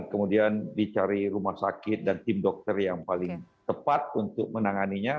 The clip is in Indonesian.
kemudian dicari rumah sakit dan tim dokter yang paling tepat untuk menanganinya